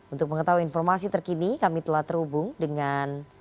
untuk mengetahui informasi terkini kami telah terhubung dengan